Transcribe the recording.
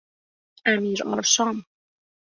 امیرآرشام